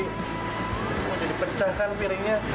mau jadi pecah kan piringnya